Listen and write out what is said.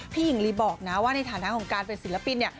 หญิงลีบอกนะว่าในฐานะของการเป็นศิลปินเนี่ย